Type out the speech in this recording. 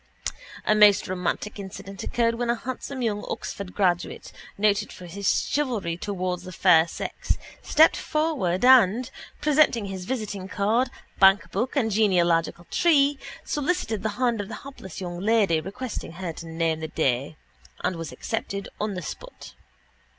A most romantic incident occurred when a handsome young Oxford graduate, noted for his chivalry towards the fair sex, stepped forward and, presenting his visiting card, bankbook and genealogical tree, solicited the hand of the hapless young lady, requesting her to name the day, and was accepted on the spot.